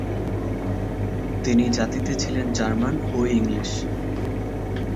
তিনি জাতিতে ছিলেন জার্মান ও ইংলিশ।